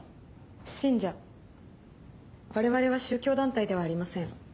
我々は宗教団体ではありません。